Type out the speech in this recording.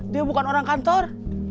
dia bukan orang kantor